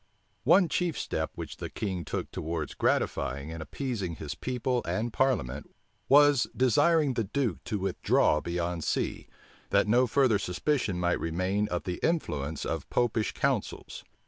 One chief step which the king took towards gratifying and appeasing his people and parliament, was, desiring the duke to withdraw beyond sea, that no further suspicion might remain of the influence of Popish counsels.